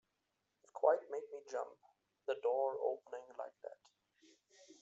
It quite made me jump — the door opening like that.